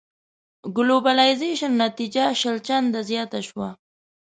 ګلوبلایزېشن نتيجه شل چنده زياته شوه.